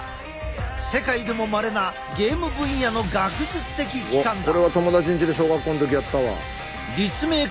世界でもまれなゲーム分野の学術的機関だ。